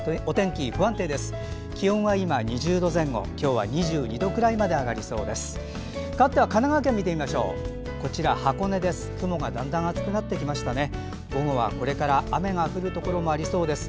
気温は今２０度前後今日は２２度くらいまで上がりそうです。